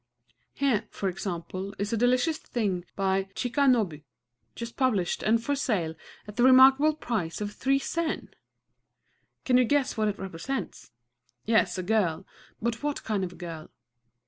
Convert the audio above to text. Here, for example, is a delicious thing by "Chikanobu," just published, and for sale at the remarkable price of three sen! Can you guess what it represents?... Yes, a girl, but what kind of a girl?